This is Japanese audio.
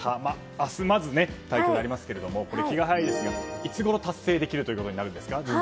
明日まず対局になりますが気が早いですが順調にいくといつごろ達成できることになるんですか。